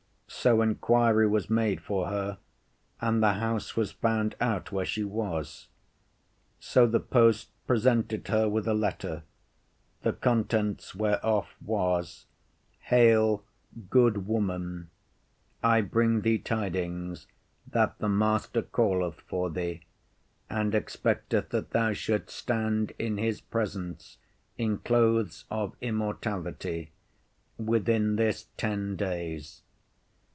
So inquiry was made for her, and the house was found out where she was. So the post presented her with a letter, the contents whereof was, Hail, good woman, I bring thee tidings that the Master calleth for thee, and expecteth that thou shouldest stand in his presence in clothes of immortality, within this ten days.